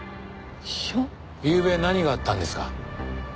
ゆうべ何があったんですか？